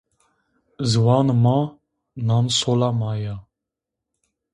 Ziwanê ma nan-sola ma ya